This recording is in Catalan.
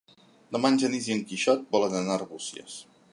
Demà en Genís i en Quixot volen anar a Arbúcies.